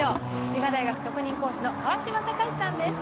滋賀大学特任講師の川島隆さんです。